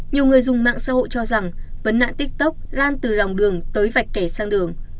nhiều người dùng mạng xã hội cho rằng vấn nạn tiktok lan từ lòng đường tới vạch kẻ sang đường